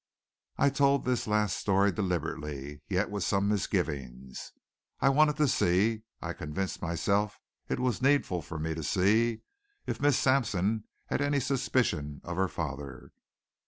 I told this last story deliberately, yet with some misgivings. I wanted to see I convinced myself it was needful for me to see if Miss Sampson had any suspicion of her father.